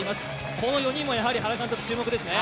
この４人もやはり注目ですね。